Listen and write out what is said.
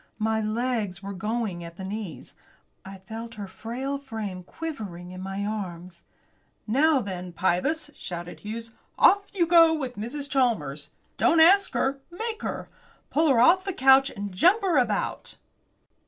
My legs were going at the knees. I felt her frail frame quivering in my arms. "Now, then, Pybus," shouted Hughes, "off you go with Mrs. Chalmers. Don't ask her; make her. Pull her off the couch and jump her about!"